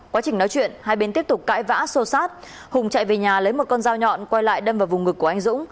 quá trình nói chuyện hai bên tiếp tục cãi vã sô sát hùng chạy về nhà lấy một con dao nhọn quay lại đâm vào vùng ngực của anh dũng